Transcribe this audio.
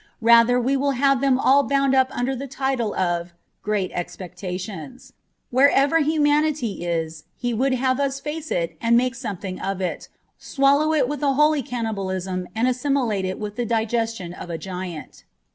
Rather we will have them all bound up under the title of ' Great Expectations. ' Wherever humanity is he would have us face it and make something of it, swallow it with a holy cannibalism and assimilate it with the digestion of a giant.